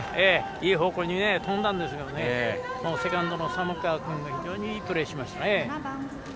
いい方向に飛んだんですがセカンドの寒川君がいいプレーをしました。